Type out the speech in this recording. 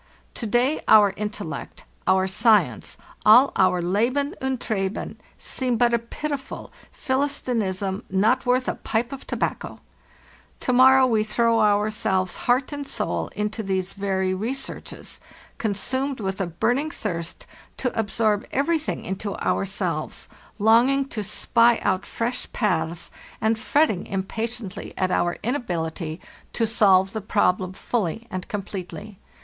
... To day our intellect, our science, all our 'Leben und Treiben,' seem but a pitiful Philistinism, not worth a pipe of tobacco; to morrow we throw ourselves heart and soul into these very researches, consumed with a burning thirst, to ab sorb everything into ourselves, longing to spy out fresh paths, and fretting impatiently at our inability to solve 4 HAKTHE ST MOR TIT the problem fully and completely.